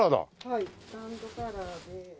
はいスタンドカラーで。